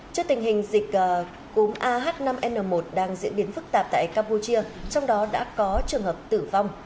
trước tình hình dịch cúm ah năm n một đang diễn biến phức tạp tại campuchia trong đó đã có trường hợp tử vong